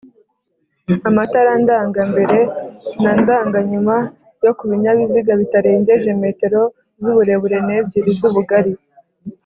amatara ndanga mbere na ndanga nyuma yo kubinyabiziga bitarengeje m z’uburebure n’ebyiri z’ubugali